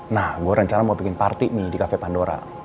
nah gue rencana mau bikin parti nih di cafe pandora